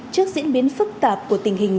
trước diễn biến phức tạp của tình huống